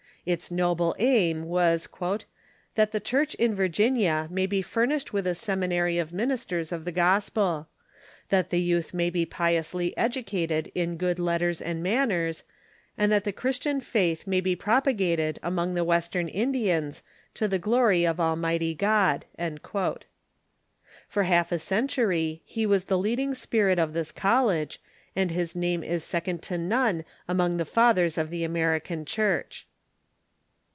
Its noble aim was "that the Church in Virginia may be furnished with a seminary of ministers of the gospel ; that the youth may be piously ed ucated in good letters and manners ; and that the Christian faith may be propagated among the Western Indians, to the glory of Almighty God." For half a century he was the lead ing spirit of this college, and his name is second to none among the fathers of the American Church.